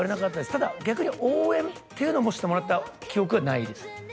ただ逆に応援っていうのもしてもらった記憶はないですね